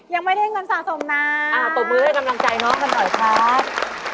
ยังไม่ได้เงินสะสมนะอ่าปรบมือให้กำลังใจน้องกันหน่อยครับ